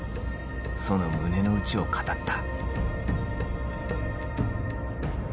その胸の内を語った。